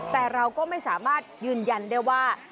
แต่เราก็ไม่สามารถยืนยันได้ว่า